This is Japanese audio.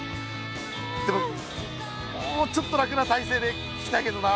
でももうちょっと楽なたいせいで聞きたいけどな。